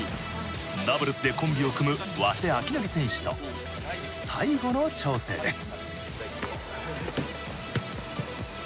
ダブルスでコンビを組む早稲昭範選手と最後の調整です。